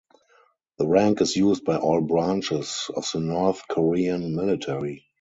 The rank is used by all branches of the North Korean military.